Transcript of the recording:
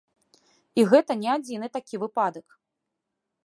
І гэта не адзіны такі выпадак.